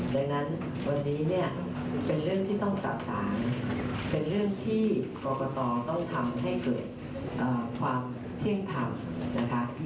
ดังนั้นวันนี้เนี่ยเป็นเรื่องที่ต้องตัดสารเป็นเรื่องที่กรกตต้องทำให้เกิดความเที่ยงธรรมนะคะ